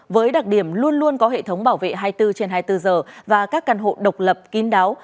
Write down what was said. với đặc điểm luôn luôn có hệ thống bảo vệ hai mươi bốn trên hai mươi bốn giờ và các căn hộ độc lập kín đáo